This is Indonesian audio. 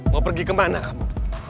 mau pergi kemana kamu